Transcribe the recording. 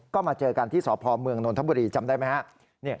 ก็มาเจอกันที่สพเมืองนนทบุรีจำได้ไหมครับ